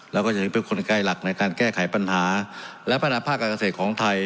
แล้วก็จะถือเป็นคนใกล้หลักในการแก้ไขปัญหาและพนักภาคการเกษตรของไทย